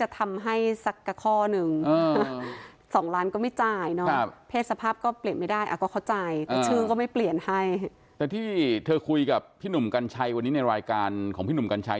แต่ที่เธอคุยกับพี่หนุ่มกัญชัยวันนี้ในรายการของพี่หนุ่มกัญชัย